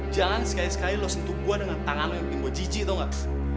jangan sekali sekali lo sentuh gue dengan tangan lo yang imba jijik tau gak